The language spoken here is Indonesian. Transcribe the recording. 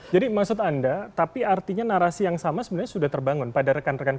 jadi maksud anda tapi artinya narasi yang sama sebenarnya sudah terbangun pada rekan rekan mk